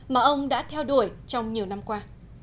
mà ông đã theo đuổi trong nhiều năm qua